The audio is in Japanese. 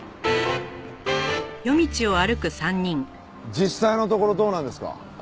実際のところどうなんですか？